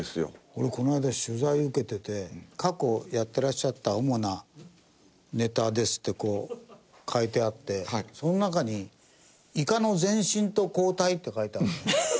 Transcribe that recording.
俺この間取材受けてて過去やってらっしゃった主なネタですってこう書いてあってその中に「イカの前進と後退」って書いてあった。